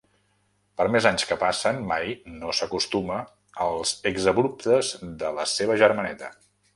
Per més anys que passen mai no s'acostuma als exabruptes de la seva germaneta.